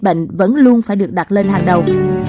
bệnh vẫn luôn phải được đặt lên hàng đầu